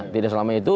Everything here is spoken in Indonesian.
tidak selama itu